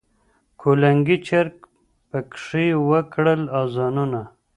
کلنګي چرګ پکښي وکړل آذانونه